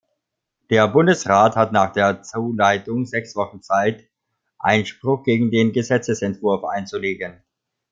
Der Bundesrat hat nach der Zuleitung sechs Wochen Zeit, Einspruch gegen den Gesetzesentwurf einzulegen.